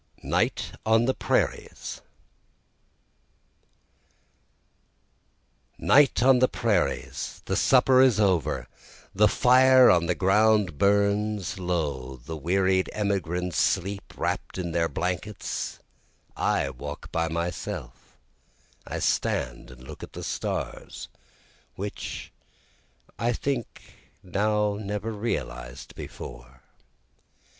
Night on the Prairies Night on the prairies, The supper is over, the fire on the ground burns low, The wearied emigrants sleep, wrapt in their blankets; I walk by myself I stand and look at the stars, which I think now never realized before.